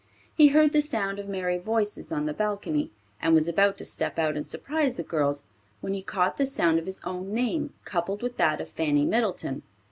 He heard the sound of merry voices on the balcony, and was about to step out and surprise the girls when he caught the sound of his own name coupled with that of Fanny Middleton.